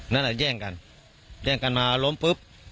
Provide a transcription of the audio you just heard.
นี่แหล่งกันมาร้มปุ๊บ